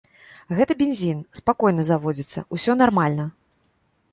Гэта бензін, спакойна заводзіцца, усё нармальна.